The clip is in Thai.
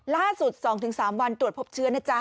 ล่าสุด๒๓วันตรวจพบเชื้อนะจ๊ะ